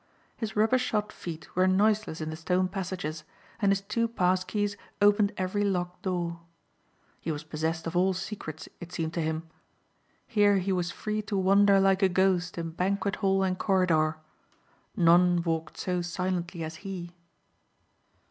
His rubbershod feet were noiseless in the stone passages and his two pass keys opened every locked door. He was possessed of all secrets it seemed to him. Here he was free to wander like a ghost in banquet hall and corridor. None walked so silently as he.